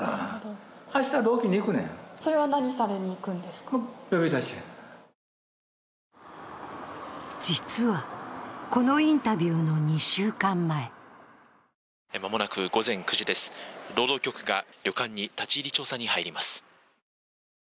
しかし実は、このインタビューの２週間前間もなく午前９時です、労働局が旅館に立ち入り調査に入ります。